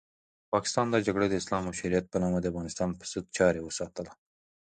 پاکستان دا جګړه د اسلام او شریعت په نامه د افغانستان پرضد جاري وساتله.